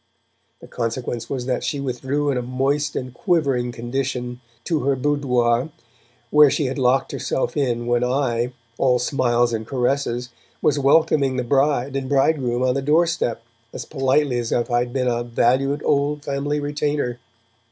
The consequence was that she withdrew in a moist and quivering condition to her boudoir, where she had locked herself in when I, all smiles and caresses, was welcoming the bride and bridegroom on the doorstep as politely as if I had been a valued old family retainer.